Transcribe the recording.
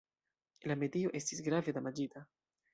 La medio estis grave damaĝita.